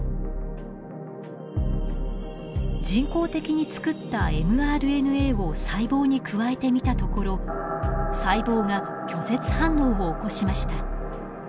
人工的に作ったｍＲＮＡを細胞に加えてみたところ細胞が拒絶反応を起こしました。